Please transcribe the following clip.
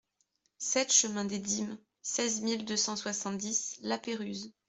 sept chemin des Dîmes, seize mille deux cent soixante-dix La Péruse